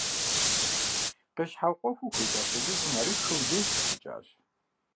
Къещхьэукъуэхыу хуежьа фызыжьым арыххэу жейр щхьэщыкӀащ.